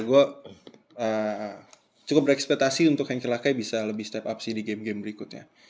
gue cukup berekspetasi untuk hanki laka bisa lebih step up sih di game game berikutnya